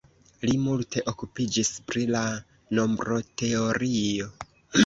Li multe okupiĝis pri la nombroteorio.